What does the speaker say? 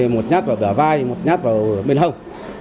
một nhát vào vẻ vai một nhát vào bên hông